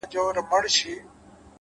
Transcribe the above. لوستل ذهن پراخوي؛